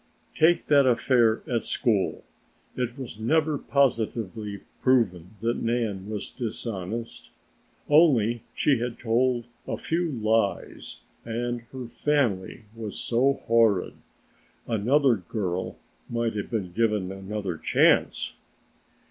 Take that affair at school; it was never positively proven that Nan was dishonest. Only she had told a few lies and her family was so horrid. Another girl might have been given another chance!"